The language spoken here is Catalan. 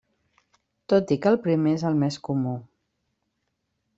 Tot i que el primer és el més comú.